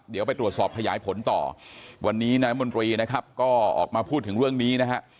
เดี๋ยวไปตรวจสอบขยายผลต่อวันนี้นายมนตรีนะครับก็ออกมาพูดถึงเรื่องนี้นะฮะ